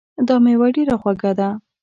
دا میوه ډېره خوږه ده